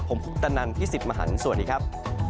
ผมฤทธนันทร์พิสิทธิ์มหันฯสวัสดีครับ